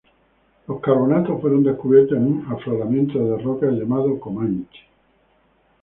Los carbonatos fueron descubiertos en un afloramiento de rocas llamado "Comanche".